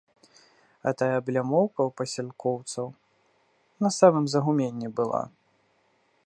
А тая аблямоўка ў пасялкоўцаў на самым загуменні была.